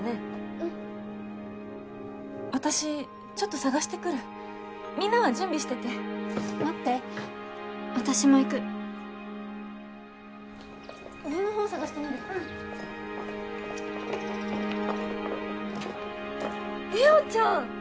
うん私ちょっと捜してくるみんなは準備してて待って私も行く上のほう捜してみるうんれおちゃん！